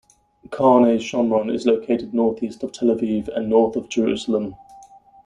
Karnei Shomron is located northeast of Tel Aviv and north of Jerusalem.